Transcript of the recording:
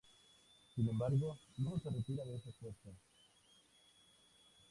Sin embargo luego se retira de ese puesto.